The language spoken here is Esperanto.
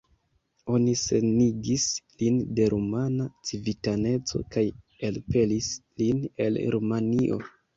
Oni senigis lin de rumana civitaneco kaj elpelis lin el Rumanio.